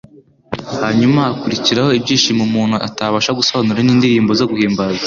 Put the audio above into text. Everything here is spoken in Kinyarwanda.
hanyuma hakurikiraho ibyishimo umuntu atabasha gusobanura n'indirimbo zo guhimbaza.